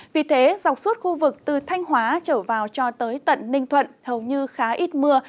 vì thế dọc suốt khu vực từ thanh hóa trở vào cho tới tận ninh thuận hầu như khá ít mưa